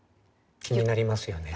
気になりますよね。